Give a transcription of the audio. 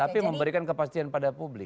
tapi memberikan kepastian pada publik